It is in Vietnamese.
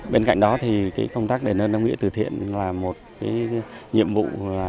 bên cạnh đó công tác để nâng nông nghĩa từ thiện là một nhiệm vụ